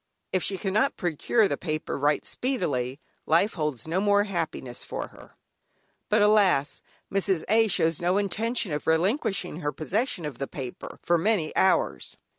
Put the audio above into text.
If she cannot procure the paper right speedily, life holds no more happiness for her. But alas, Mrs. A. shows no intention of relinquishing her possession of the paper for many hours.